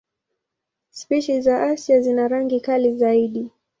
Spishi za Asia zina rangi kali zaidi.